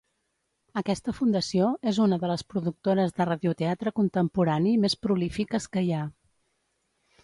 Aquesta fundació és una de les productores de radioteatre contemporani més prolífiques que hi ha.